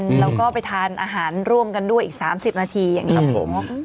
แล้วก็ไปทานอาหารร่วมกันด้วยอีก๓๐นาทีอย่างนี้ครับผม